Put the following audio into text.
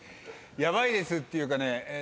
「ヤバいです」っていうかね